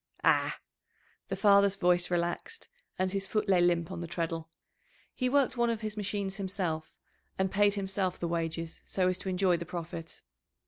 "Ah!" The father's voice relaxed, and his foot lay limp on the treadle. He worked one of his machines himself, and paid himself the wages so as to enjoy the profit.